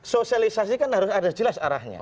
sosialisasi kan harus ada jelas arahnya